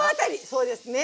そうですね。